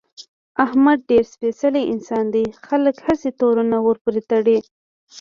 احمد ډېر سپېڅلی انسان دی، خلک هسې تورونه ورپورې تړي.